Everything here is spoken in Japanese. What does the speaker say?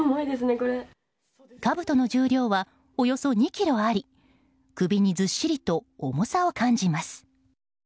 かぶとの重量はおよそ２ｋｇあり首にずっしりと重さを感じます。